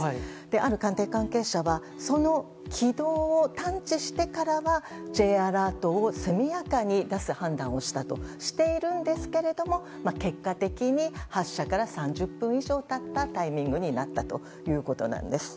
ある官邸関係者はその軌道を探知してからはＪアラートを速やかに出す判断をしているんですが結果的に発射から３０分以上経ったタイミングになったということなんです。